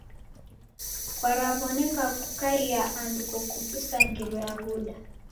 Kwaraw'oneka kukaia andu kokuvisa ngelo ya w'uda.